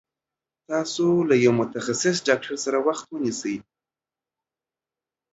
تاسو له يوه متخصص ډاکټر سره وخت ونيسي